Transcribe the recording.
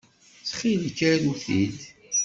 Ttxil-k, aru-t-id.